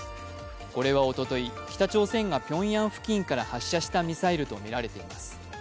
これはおととい、北朝鮮がピョンヤン付近から発射したミサイルとみられています。